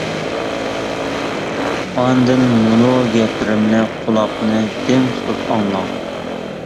ئاندىن مۇنۇ گەپلىرىمنى قۇلاقنى دىڭ تۇتۇپ ئاڭلاڭ!